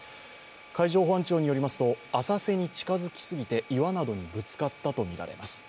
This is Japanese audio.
海上保安庁によりますと浅瀬に近づきすぎて岩などにぶつかったとみられます。